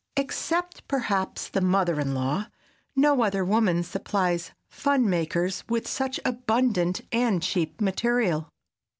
Except perhaps the mother in law, no other woman supplies fun makers with such abundant—and cheap—material.